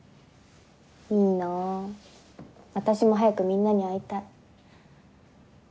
いいな私も早くみんなに会いたい。